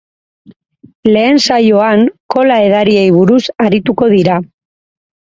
Lehen saioan, kola edariei buruz arituko dira.